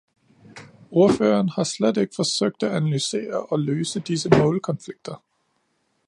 Ordføreren har slet ikke forsøgt at analysere og løse disse målkonflikter.